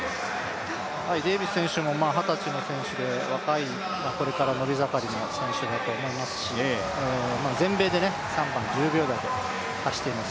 デービス選手も二十歳の選手で若い、これから伸び盛りの選手だと思いますし全米で３番、１０秒台で走っています。